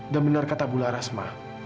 dan benar kata bularas ma